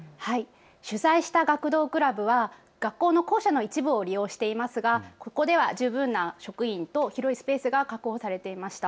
取材した学童クラブは学校の校舎の一部を利用していますがここでは十分な職員と広いスペースが確保されていました。